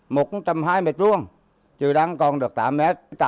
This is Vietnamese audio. một trăm hai mét vuông chứ đang còn được tám mét